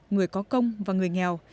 người có công và người nghèo